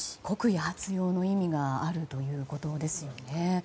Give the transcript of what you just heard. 国威発揚の意味があるということですよね。